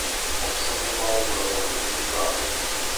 Obsahoval mnoho důležitých látek.